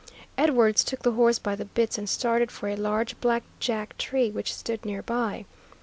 Edwards took the horse by the bits and started for a large black jack tree which stood near by.